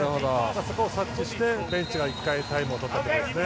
そこを察知してベンチが１回タイムをとったところですね。